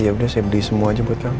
yaudah saya beli semua aja buat kamu